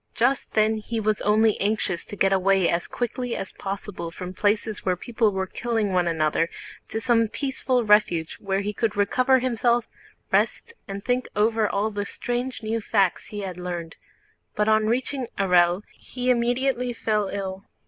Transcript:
Just then he was only anxious to get away as quickly as possible from places where people were killing one another, to some peaceful refuge where he could recover himself, rest, and think over all the strange new facts he had learned; but on reaching Orël he immediately fell ill.